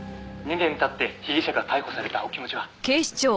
２年経って被疑者が逮捕されたお気持ちは？」